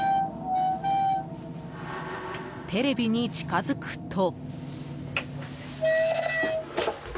テレビに近づくと。